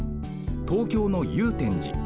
東京の祐天寺。